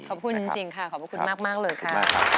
ขอบคุณจริงค่ะขอบคุณมากเลยค่ะ